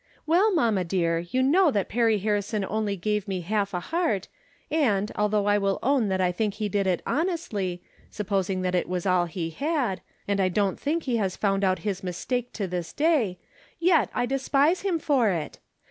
Well, mamma dear, you know that Perry Harrison only gave me half a heart, and, although I will own that I think he did it hon estly, supposing that it was all he had, and I don't think that he has found out his mistake to this day ; yet I despise him for it